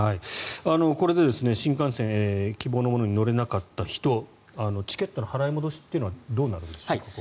これで新幹線希望のものに乗れなかった人チケットの払い戻しっていうのはどうなるんでしょうか。